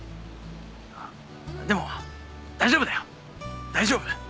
でも大丈夫だよ大丈夫。